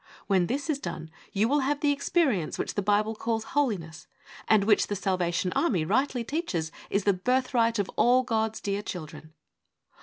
When this is done, you will have the experience which the Bible calls Holiness, and which The Salvation Army rightly teaches is the birthright of all God's dear children.